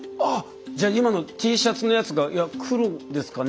じゃあ今のＴシャツのやつが「いや黒ですかね」